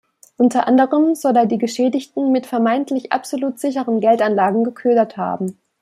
Unter anderem soll er die Geschädigten mit vermeintlich absolut sicheren Geldanlagen geködert haben.